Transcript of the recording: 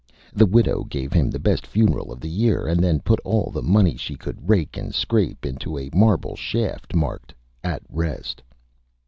The Widow gave him the best Funeral of the Year and then put all the Money she could rake and scrape into a Marble Shaft marked "At Rest."